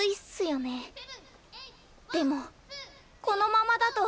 でもこのままだと。